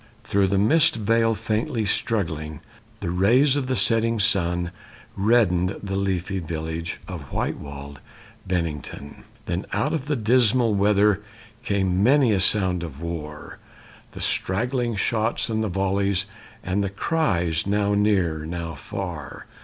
Through the mist veil faintly struggling, The rays of the setting sun Reddened the leafy village Of white walled Bennington. Then out of the dismal weather Came many a sound of war, The straggling shots and the volleys And the cries, now near now far.